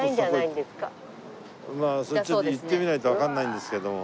それはちょっと行ってみないとわかんないんですけども。